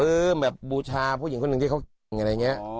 แบบบูชาผู้หญิงคนหนึ่งที่เขาอะไรอย่างนี้